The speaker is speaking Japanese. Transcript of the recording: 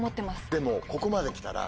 でもここまで来たら。